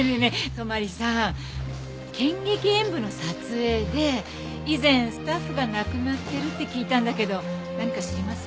泊さん『剣戟炎武』の撮影で以前スタッフが亡くなってるって聞いたんだけど何か知りません？